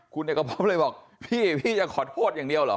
คุณเอกพบเลยบอกพี่พี่จะขอโทษอย่างเดียวเหรอ